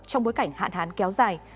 trong bối cảnh hạn hán kéo dài